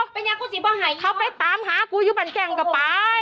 ไปงังก็ซิบ่หายนะเขาไปตามหากูอยู่บันเจนกับปราย